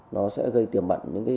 nó sẽ gây tiềm mận những nguy hiểm